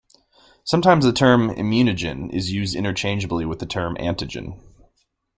Sometimes the term immunogen is used interchangeably with the term antigen.